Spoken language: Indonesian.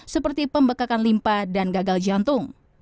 seperti pembekakan limpa dan gagal jantung